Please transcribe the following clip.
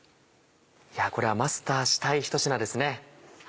これはマスターしたいひと品ですね。